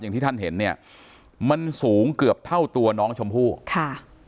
อย่างที่ท่านเห็นเนี่ยมันสูงเกือบเท่าตัวน้องชมพู่ค่ะ